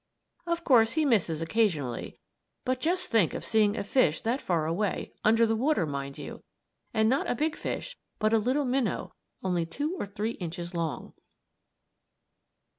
Of course he misses occasionally, but just think of seeing a fish that far away under the water, mind you; and not a big fish, but a little minnow, only two or three inches long.